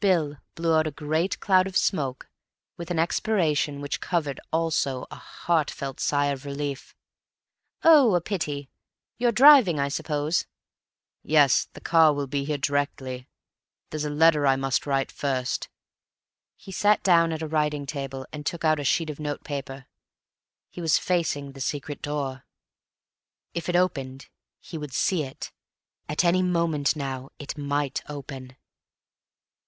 Bill blew out a great cloud of smoke with an expiration which covered also a heartfelt sigh of relief. "Oh, a pity. You're driving, I suppose?" "Yes. The car will be here directly. There's a letter I must write first." He sat down at a writing table, and took out a sheet of notepaper. He was facing the secret door; if it opened he would see it. At any moment now it might open.